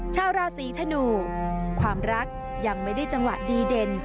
ชาวราศีธนูความรักยังไม่ได้จังหวะดีเด่น